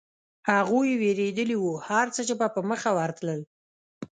هغوی وېرېدلي و، هرڅه چې به په مخه ورتلل.